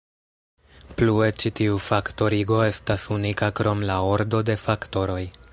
Plue ĉi tiu faktorigo estas unika krom la ordo de faktoroj.